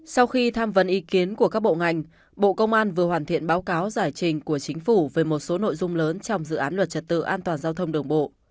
sau khi tham vấn ý kiến của các bộ ngành bộ công an vừa hoàn thiện báo cáo giải trình của chính phủ về một số nội dung lớn trong dự án luật trật tự an toàn giao thông đường bộ